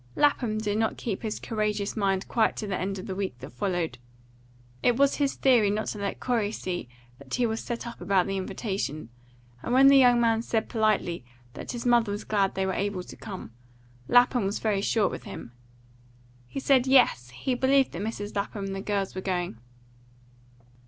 Lapham did not keep his courageous mind quite to the end of the week that followed. It was his theory not to let Corey see that he was set up about the invitation, and when the young man said politely that his mother was glad they were able to come, Lapham was very short with him. He said yes, he believed that Mrs. Lapham and the girls were going.